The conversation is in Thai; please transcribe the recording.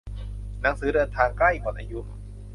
หนังสือเดินทางใกล้หมดอายุ